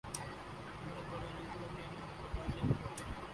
بڑے بڑے لیڈروں کے مخالف ہوتے ہیں۔